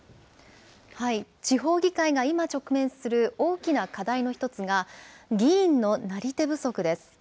地方議会が今、直面する大きな課題の一つが、議員のなり手不足です。